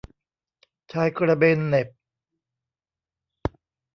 ชายกระเบนเหน็บ